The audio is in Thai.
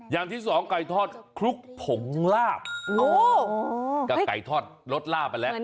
อย่างที่สองไก่ทอดคลุกผงลาบกับไก่ทอดรสลาบไปแล้ว